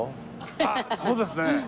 あっそうですね。